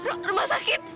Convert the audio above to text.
oh rumah sakit